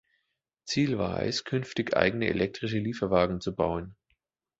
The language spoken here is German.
Ziel war es, künftig eigene elektrische Lieferwagen zu bauen.